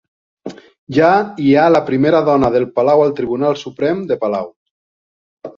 Ja hi ha la primera dona del Palau al Tribunal Suprem de Palau.